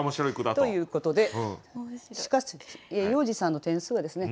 ということでしかし要次さんの点数はですね